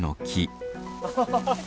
ハハハハ。